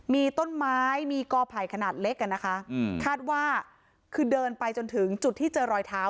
มีต้นไม้มีกอไผ่ขนาดเล็กอ่ะนะคะอืมคาดว่าคือเดินไปจนถึงจุดที่เจอรอยเท้า